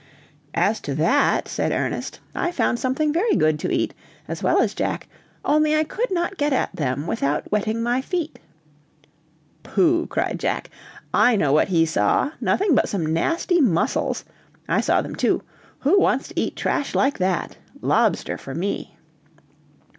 "As to that," said Ernest, "I found something very good to eat, as well as Jack, only I could not get at them without wetting my feet." "Pooh!" cried Jack, "I know what he saw nothing but some nasty mussels; I saw them too. Who wants to eat trash like that! Lobster for me!"